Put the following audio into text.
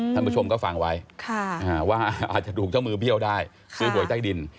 ท่านผู้ชมก็ฟังไว้ว่าอาจจะถูกเจ้ามือเบี้ยวได้ซื้อหวยใต้ดิน